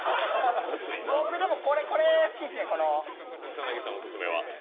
僕、これ好きっすね。